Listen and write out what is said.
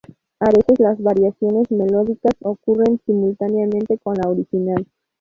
A veces las variaciones melódicas ocurren simultáneamente con la original.